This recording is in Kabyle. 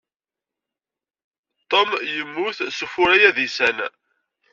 Ton yemmut s ufurray adisan.